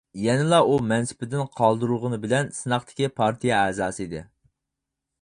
يەنىلا ئۇ مەنسىپىدىن قالدۇرۇلغىنى بىلەن سىناقتىكى پارتىيە ئەزاسى ئىدى.